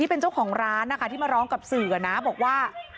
ผมเป็นสามีไม่ขนาดค่ะ